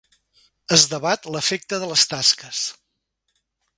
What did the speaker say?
Es debat l'efecte de les tasques.